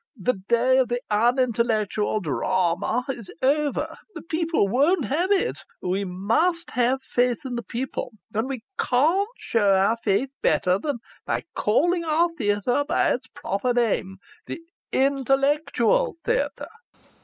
The day of the unintellectual drahma is over. The people won't have it. We must have faith in the people, and we can't show our faith better than by calling our theatre by its proper name 'The Intellectual Theatre'!"